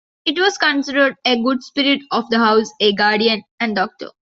It was considered a good spirit of the house, a guardian and doctor.